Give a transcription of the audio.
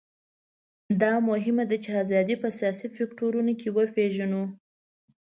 دا مهمه ده چې ازادي په سیاسي فکټورونو کې وپېژنو.